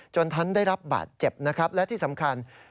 ท่านได้รับบาดเจ็บนะครับและที่สำคัญ